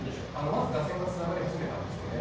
まず打線がつながり始めたんですよね。